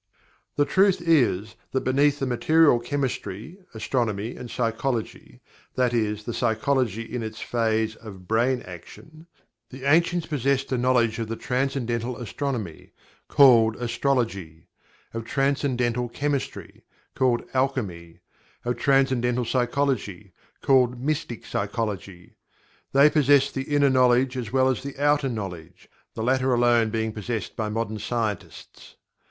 The truth is, that beneath the material chemistry, astronomy and psychology (that is, the psychology in its phase of "brain action") the ancients possessed a knowledge of transcendental astronomy, called astrology; of transcendental chemistry, called alchemy; of transcendental psychology, called mystic psychology. They possessed the Inner Knowledge as well as the Outer Knowledge, the latter alone being possessed by modern scientists.